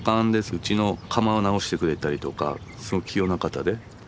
うちの釜直してくれたりとかすごい器用な方で。